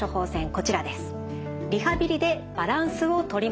こちらです。